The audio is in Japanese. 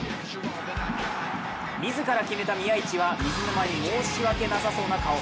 自ら決めた宮市は、水沼に申し訳なさそうな顔。